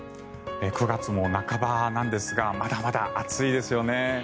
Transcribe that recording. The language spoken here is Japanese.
９月も半ばなんですがまだまだ暑いですよね。